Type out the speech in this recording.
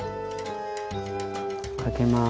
かけます。